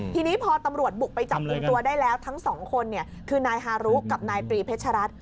ทีนี้พอตำรวจบุกไปจับกลุ่มตัวได้แล้วทั้งสองคนคือนายฮารุกับนายตรีเพชรัตน